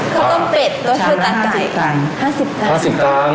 เขาต้มเป็ดถ้วยกาไก่